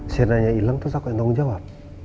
sienna nya ilang terus aku yang tanggung jawab